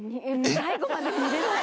最後まで見れない。